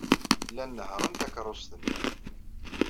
Llan nehhṛen takeṛṛust-nni.